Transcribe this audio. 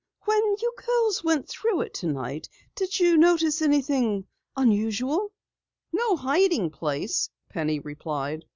When you girls went through it tonight, did you notice anything unusual?" "No hiding place," Penny replied.